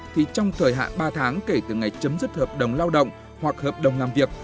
thì trong thời hạn ba tháng kể từ ngày chấm dứt hợp đồng lao động hoặc hợp đồng làm việc